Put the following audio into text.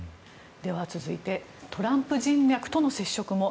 続いてトランプ人脈との接触も。